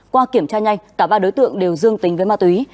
qua kiểm tra nhanh cả ba đối tượng đều dương tính với ma túy